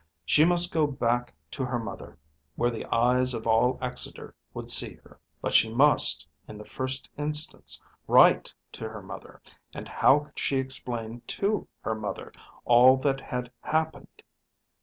She must go back to her mother, where the eyes of all Exeter would see her. But she must in the first instance write to her mother; and how could she explain to her mother all that had happened?